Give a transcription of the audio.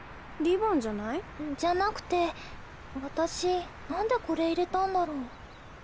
リボンじゃない？じゃなくて私何でこれ入れたんだろう。